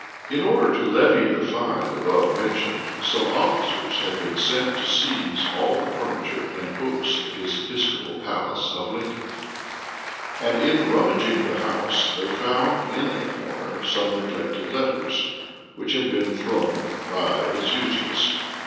In order to levy the fine above mentioned, some officers had been sent to seize all the furniture and books of his episcopal palace of Lincoln; and in rummaging the house, they found in a corner some neglected letters, which had been thrown by as useless.